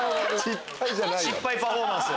失敗パフォーマンス。